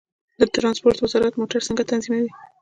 د ترانسپورت وزارت موټر څنګه تنظیموي؟